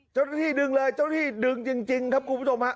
เจ้าหน้าที่ดึงเลยเจ้าหน้าที่ดึงจริงครับคุณผู้ชมฮะ